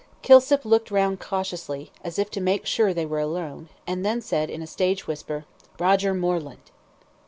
Kilsip looked round cautiously, as if to make sure they were alone, and then said, in a stage whisper "Roger Moreland!"